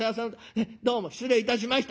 へえどうも失礼いたしました。